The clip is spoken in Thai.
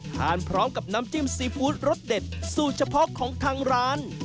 ทานพร้อมกับน้ำจิ้มซีฟู้ดรสเด็ดสูตรเฉพาะของทางร้าน